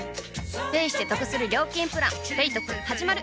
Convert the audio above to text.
ペイしてトクする料金プラン「ペイトク」始まる！